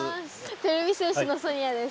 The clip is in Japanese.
てれび戦士のソニアです。